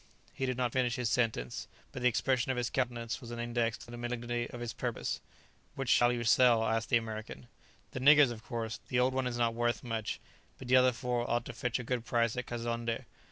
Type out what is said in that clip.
He did not finish his sentence, but the expression of his countenance was an index to the malignity of his purpose. "Which shall you sell?" asked the American. "The niggers, of course. The old one is not worth much, but the other four ought to fetch a good price at Kazonndé."